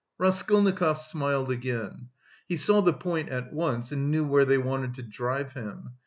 Raskolnikov smiled again. He saw the point at once, and knew where they wanted to drive him.